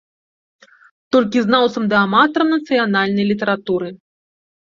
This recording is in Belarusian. Толькі знаўцам ды аматарам нацыянальнай літаратуры.